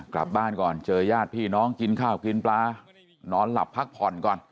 กลับบ้านก่อนเจอญาติพี่น้องกินข้าวกินปลานอนหลับพักผ่อนก่อน